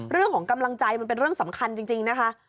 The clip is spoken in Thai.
เรื่องของกำลังใจมันเป็นเรื่องสำคัญจริงนะคะ